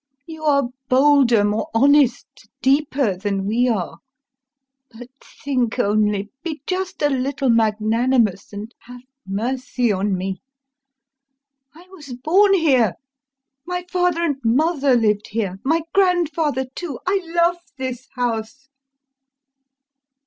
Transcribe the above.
You are bolder, more honest, deeper than we are, but think only, be just a little magnanimous, and have mercy on me. I was born here, my father and mother lived here, my grandfather too, I love this house.